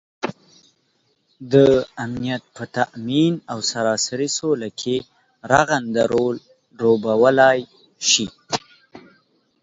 دامنیت په تآمین او سراسري سوله کې رغنده رول لوبوالی شي